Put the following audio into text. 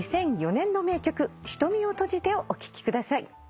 ２００４年の名曲『瞳をとじて』をお聴きください。